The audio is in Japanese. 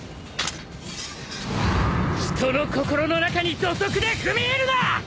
人の心の中に土足で踏み入るな！